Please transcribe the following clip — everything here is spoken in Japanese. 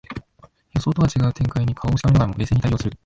予想とは違う展開に顔をしかめながらも冷静に対応する